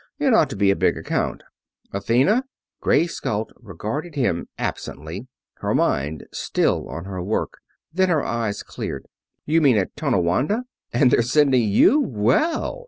It ought to be a big account." "Athena?" Grace Galt regarded him absently, her mind still on her work. Then her eyes cleared. "You mean at Tonawanda? And they're sending you! Well!"